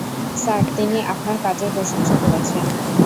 Sir, তিনি আপনার কাজের প্রশংসা করেছেন।